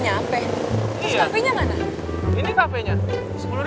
ya kayak yang lo liat gue kesini mau lunch